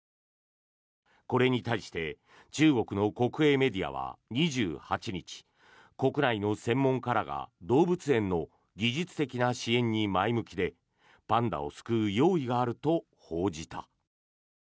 これに対して中国の国営メディアは２８日国内の専門家らが動物園の技術的な支援に前向きでパンダを救う用意があると報じた。